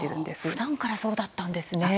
ふだんからそうだったんですね。